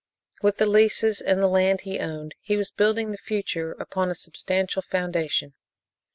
With the leases, and the land he owned, he was building the future upon a substantial foundation.